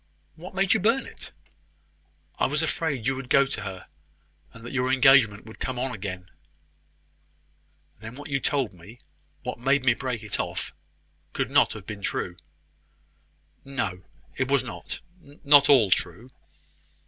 "What made you burn it?" "I was afraid you would go to her, and that your engagement would come on again." "Then what you told me what made me break it off could not have been true." "No, it was not not all true."